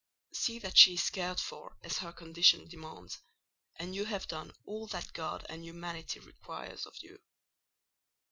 See that she is cared for as her condition demands, and you have done all that God and humanity require of you.